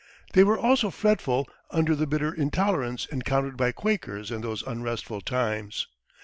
They were also fretful under the bitter intolerance encountered by Quakers in those unrestful times.